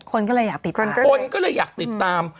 คนก็เลยอยากติดตาม